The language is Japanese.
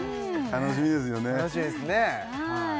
楽しみですね